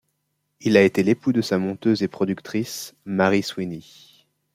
Il a été l'époux de sa monteuse et productrice Mary Sweeney.